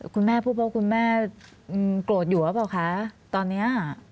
คุณแม่พูดเพราะคุณแม่โกรธอยู่หรือเปล่าคะตอนนี้